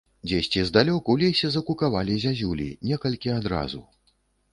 Дзесьці здалёк у лесе закукавалі зязюлі, некалькі адразу.